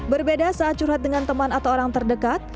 berbeda saat curhat dengan teman atau orang terdekat